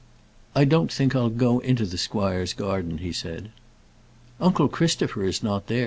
"I don't think I'll go into the squire's garden," he said. "Uncle Christopher is not there.